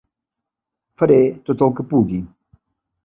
Faré tot el que pugui.